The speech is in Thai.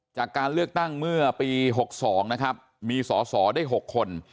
จากการเลือกตั้งเมื่อปี๖๒นะครับมีสอสอได้๖คน